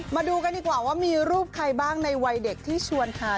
มาดูกันดีกว่าว่ามีรูปใครบ้างในวัยเด็กที่ชวนหา